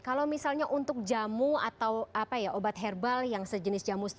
kalau misalnya untuk jamu atau obat herbal yang sejenis jamu